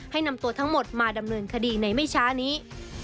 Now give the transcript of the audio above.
นำตัวทั้งหมดมาดำเนินคดีในไม่ช้านี้